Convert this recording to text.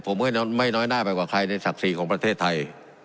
ผมไม่น้อยหน้าไปกว่าใครในศักดิ์ศรีของประเทศไทย